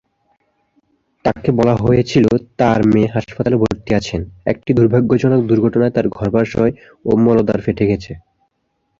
তাঁকে বলা হয়েছিল তাঁর মেয়ে হাসপাতালে ভর্তি আছেন, "একটি দুর্ভাগ্যজনক দুর্ঘটনায় তাঁর গর্ভাশয় এবং মলদ্বার ফেটে গেছে।"